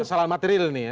secara material nih ya